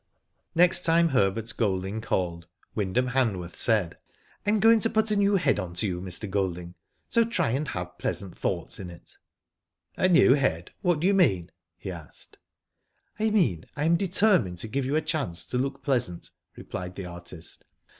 . Next time Herbert Golding called, Wyndham Hanworth said : "I'm going to put a new head on to you, Mr. Golding, so try and have pleasant thoughts in it." " A new head ? What do you mean ?" he asked. "I mean I am determined to give you a chance to look pleasant," replied the artist.